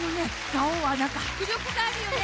「がおー！」はなんかはくりょくがあるよね。